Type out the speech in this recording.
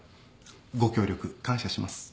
ご協力感謝します。